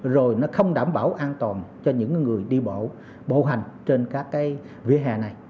rồi nó không đảm bảo an toàn cho những người đi bộ hành trên các cái vỉa hè này